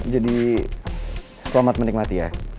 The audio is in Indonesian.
jadi selamat menikmati ya